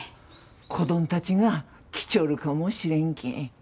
子どんたちが来ちょるかもしれんけん。